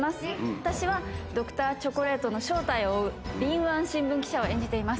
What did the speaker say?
私はドクターチョコレートの正体を追う敏腕新聞記者を演じています。